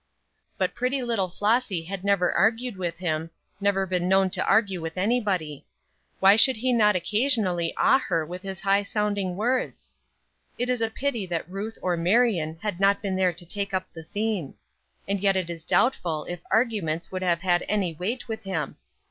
But pretty little Flossy had never argued with him, never been known to argue with anybody. Why should he not occasionally awe her with his high sounding words? It is a pity that Ruth or Marion had not been there to take up the theme; and yet it is doubtful if arguments would have had any weight with him.